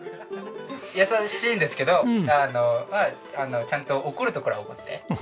優しいんですけどちゃんと怒るところは怒って。